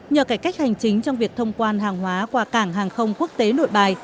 nhờ cải cách hành chính trong việc thông quan hàng hóa qua cảng hàng không quốc tế nội bài